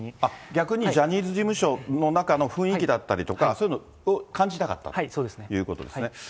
逆にジャニーズ事務所の中の雰囲気だったりとか、そういうのそうですね。ということですね。